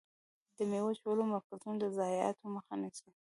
د ميوو وچولو مرکزونه د ضایعاتو مخه نیسي.